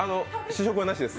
試食はなしです。